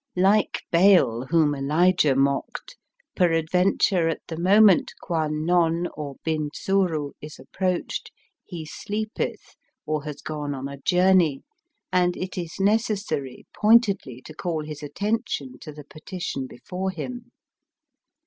Like Baal whom Elijah mocked, peradventure at the moment Kwan non or Bindzuru is approached he sleepeth, or has gone on a journey, and it is necessary pointedly to call his attention to the petition before him.